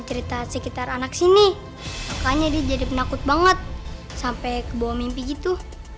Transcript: cerita sekitar anak sini makanya dia jadi penakut banget sampai ke bawah mimpi gitu